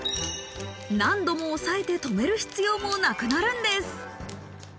何度も押さえてとめる必要もなくなるんです。